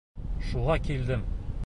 Шуға килдем.